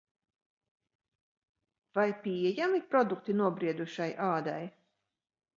Vai pieejami produkti nobriedušai ādai?